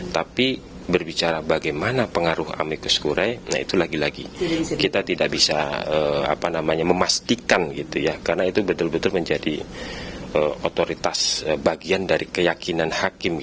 tapi berbicara bagaimana pengaruh amikus kure nah itu lagi lagi kita tidak bisa memastikan karena itu betul betul menjadi otoritas bagian dari keyakinan hakim